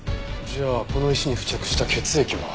じゃあこの石に付着した血液は？